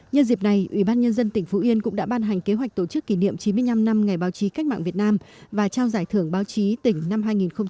nhân dịp này ủy ban nhân dân tỉnh phú yên cũng đã ban hành kế hoạch tổ chức kỷ niệm chín mươi năm năm ngày báo chí cách mạng việt nam và trao giải thưởng báo chí tỉnh năm hai nghìn một mươi chín